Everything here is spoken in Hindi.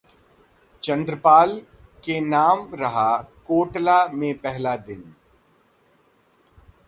चंद्रपाल के नाम रहा कोटला में पहला दिन